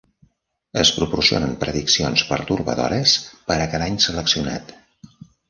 Es proporcionen prediccions pertorbadores per a cada any seleccionat.